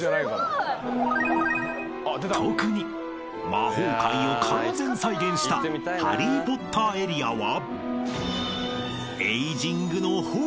［特に魔法界を完全再現したハリー・ポッターエリアは］